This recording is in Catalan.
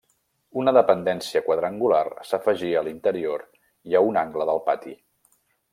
Una dependència quadrangular s'afegí a l'interior i a un angle del pati.